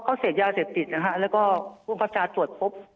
เขาเศษยาเศษติศนะครับแล้วก็พรุ่งภาพชาติสวดพบ